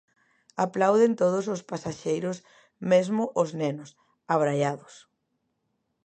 Aplauden todos os pasaxeiros, mesmo os nenos, abraiados.